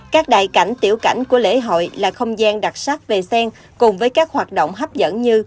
các đại cảnh tiểu cảnh của lễ hội là không gian đặc sắc về sen cùng với các hoạt động hấp dẫn như